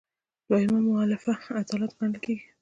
دویمه مولفه عدالت ګڼل کیږي.